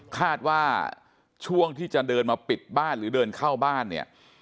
คาดว่าช่วงที่จะเดินมาปิดบ้านหรือเดินเข้าบ้านเนี่ย